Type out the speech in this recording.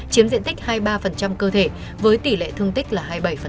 chiếm diện tích hai mươi ba cơ thể với tỷ lệ thương tích là hai mươi bảy